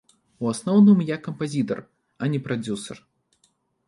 У асноўным я кампазітар, а не прадзюсар.